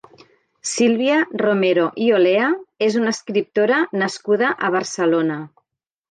Sílvia Romero i Olea és una escriptora nascuda a Barcelona.